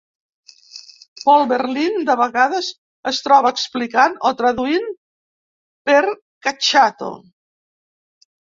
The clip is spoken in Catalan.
Paul Berlin, de vegades, es troba explicant o traduint per Cacciato.